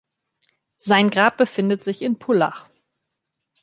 Sein Grab befindet sich in Pullach.